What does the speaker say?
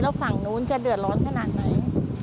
แล้วฝั่งนู้นจะเดือดร้อนขนาดไหน